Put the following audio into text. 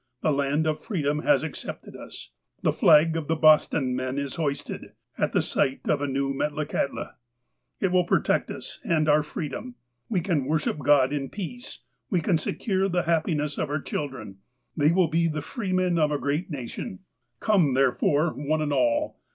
The land of freedom has accepted us. The flag of the ' Boston men ' is hoisted At the site of a new Metlakahtla. It will protect us and our freedom. We can worship God in peace. We can secure the happiness of our children. They will be the freemen of a great uatiou. Come, therefore, one and all.